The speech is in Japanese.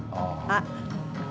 あっ！